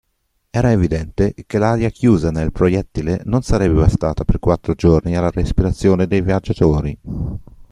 Era evidente che l'aria chiusa nel proiettile non sarebbe bastata per quattro giorni alla respirazione dei viaggiatori.